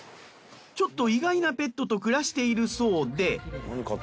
ちょっと意外なペットと暮らしているそうで。